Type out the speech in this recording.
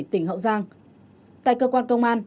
tỉnh hậu giang tại cơ quan công an